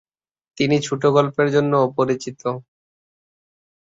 তিনি ছোট গল্পের জন্যও পরিচিত।